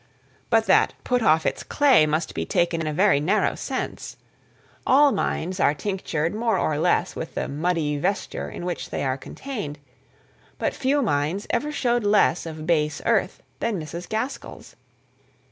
But that "put off its clay" must be taken in a very narrow sense. All minds are tinctured more or less with the "muddy vesture" in which they are contained; but few minds ever showed less of base earth than Mrs. Gaskell's.